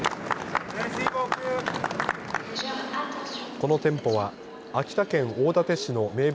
この店舗は秋田県大館市の名物